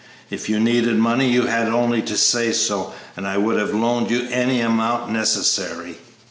If you needed money you had only to say so, and I would have loaned you any amount necessary."